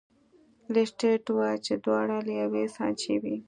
لیسټرډ وویل چې دواړه له یوې سانچې وې.